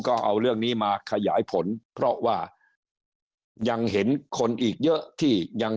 ก็เอาเรื่องนี้มาขยายผลเพราะว่ายังเห็นคนอีกเยอะที่ยัง